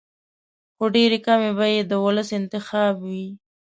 خو ډېرې کمې به یې د ولس انتخاب وي.